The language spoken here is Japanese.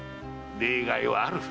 例外はある。